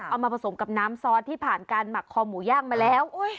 มาผสมกับน้ำซอสที่ผ่านการหมักคอหมูย่างมาแล้ว